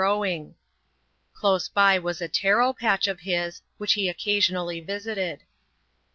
121 growing. Close by was a " tare " patch of his, which he occa sionally visited.